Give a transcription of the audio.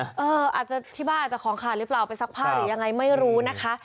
อาจจะที่บ้านอาจจะของขาดหรือเปล่าไปซักผ้าหรือยังไงไม่รู้นะคะ